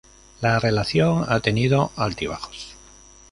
La relación ha tenido altibajos.